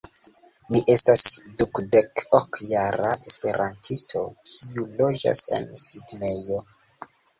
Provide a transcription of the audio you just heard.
Mi estas dudek-ok jara Esperantisto, kiu loĝas en Sidnejo.